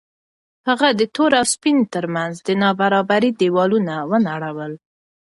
هغه د تور او سپین تر منځ د نابرابرۍ دېوالونه ونړول.